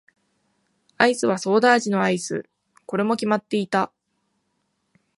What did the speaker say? アイスはソーダ味のアイス。これも決まっていた。